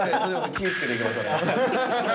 ◆気をつけていきましょうね。